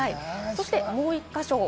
そしてもう１か所。